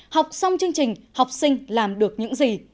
học xong chương trình học sinh làm được những gì